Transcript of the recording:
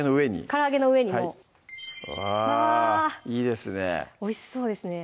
から揚げの上にもううわぁいいですねおいしそうですね